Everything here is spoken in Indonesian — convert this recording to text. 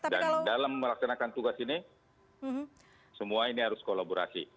dan dalam meraksanakan tugas ini semua ini harus kolaborasi